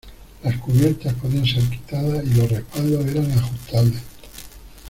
Las cubiertas podían ser quitadas y los respaldos eran ajustables.